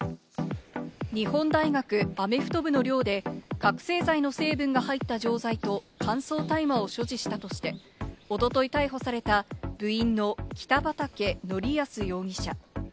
日本大学アメフト部の寮で覚せい剤の成分が入った錠剤と乾燥大麻を所持したとして、おととい逮捕された部員の北畠成文容疑者。